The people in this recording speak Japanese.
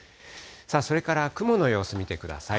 それから雲の様子見てください。